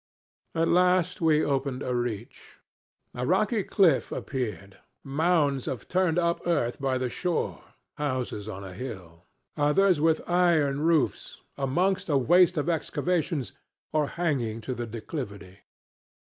"At last we opened a reach. A rocky cliff appeared, mounds of turned up earth by the shore, houses on a hill, others, with iron roofs, amongst a waste of excavations, or hanging to the declivity.